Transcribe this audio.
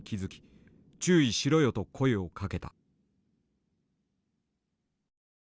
「注意しろよ」と声をかけた。